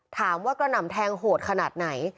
ถามว่ากระหน่ำแทงโหดขนาดไหน